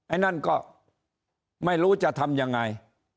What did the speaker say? ไอ้นั่นก็ไม่รู้จะทำยังไง